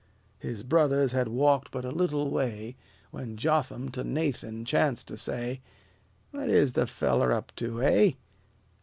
His brothers had walked but a little way, When Jotham to Nathan chanced to say, "What is the feller up to, hey?"